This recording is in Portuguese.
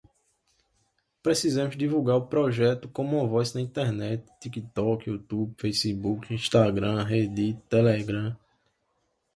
Precisamos divulgar o projeto commonvoice na internet, tiktok, youtube, facebook, instagram, reddit, telegram